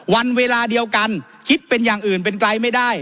วันเวลาเดียวกันคิดเป็นอย่างอื่นเป็นไกลไม่ได้